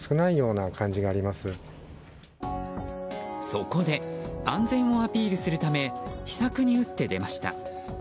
そこで安全をアピールするため秘策に打って出ました。